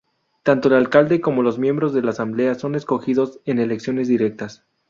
Tanto el alcalde como los miembros de la asamblea son escogidos en elecciones directas.